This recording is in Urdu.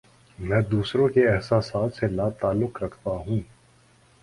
میں دوسروں کے احساسات سے لا تعلق رہتا ہوں